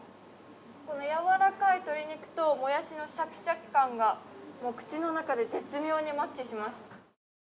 このやわらかい鶏肉ともやしのシャキシャキ感がもう口の中で絶妙にマッチします。